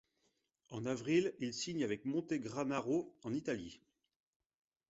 En avril, il signe avec Montegranaro en Italie.